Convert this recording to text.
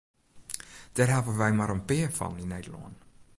Dêr hawwe wy mar in pear fan yn Nederlân.